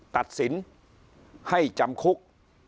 ตัดสินให้จำคุก